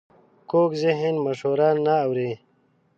کوږ ذهن مشوره نه اوري